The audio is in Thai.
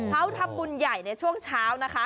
เขาทำบุญใหญ่ในช่วงเช้านะคะ